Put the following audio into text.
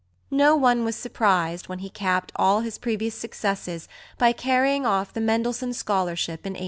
No one was surprised when he capped all his previous successes by carrying off the Mendelssohn Scholarship in 1895.